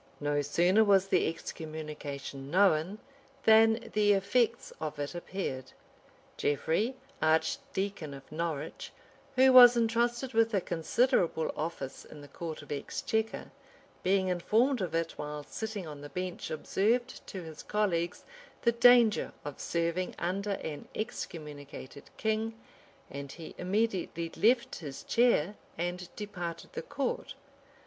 No sooner was the excommunication known, than the effects of it appeared. Geoffrey, archdeacon of Norwich, who was intrusted with a considerable office in the court of exchequer, being informed of it while sitting on the bench observed to his colleagues the danger of serving under an excommunicated king; and he immediately left his chair, and departed the court.